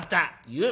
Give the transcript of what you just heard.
言う。